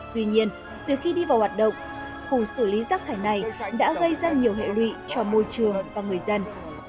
tuy nhiên từ khi đi vào hoạt động khu xử lý rác thải này đã gây ra nhiều hệ lụy cho môi trường và người dân